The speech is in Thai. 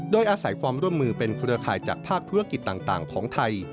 โดยอาศัยความร่วมมือเป็นเครือข่ายจากภาคธุรกิจต่างของไทย